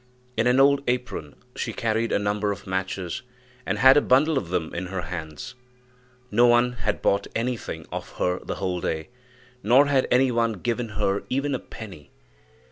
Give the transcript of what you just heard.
In an old apron she carried a number of matches, and had a bundle of them in her hands. No one had bought anything of her the whole day, nor had any one given here even a penny.